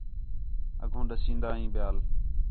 اڳّوں ݙسین٘دا ہیں ٻِیال